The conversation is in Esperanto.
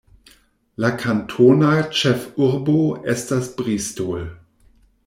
La kantona ĉefurbo estas Bristol.